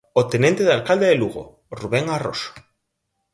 O tenente de alcalde de Lugo, Rubén Arroxo.